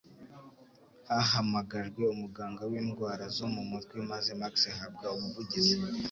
Hahamagajwe umuganga w'indwara zo mu mutwe maze Max ahabwa ubuvugizi